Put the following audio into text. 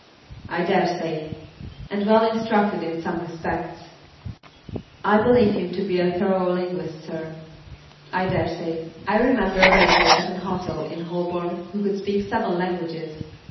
"I dare say; and well instructed in some respects." "I believe him to be a thorough linguist, sir." "I dare say. I remember a waiter at an hotel in Holborn who could speak seven languages.